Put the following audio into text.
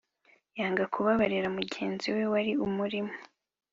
yanga kubabarira mugenzi we wari umurimo